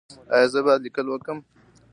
ایا زه باید لیکل وکړم؟